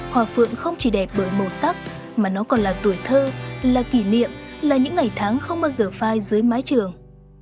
hoa phượng không chỉ đẹp bởi màu sắc mà nó còn là tuổi thơ là kỷ niệm là những ngày tháng không bao giờ phai dưới mái trường